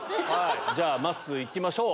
じゃあまっすーいきましょう。